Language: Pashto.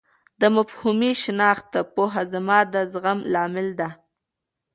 د مفهومي شناخت پوهه زما د زغم لامل ده.